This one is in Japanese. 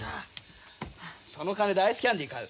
その金でアイスキャンディー買う。